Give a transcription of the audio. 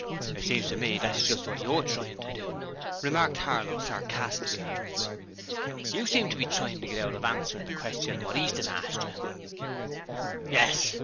'It seems to me that that's just what you're trying to do,' remanded Harlow, sarcastically. 'You seem to be tryin' to get out of answering the question what Easton asked you.' 'Yes!'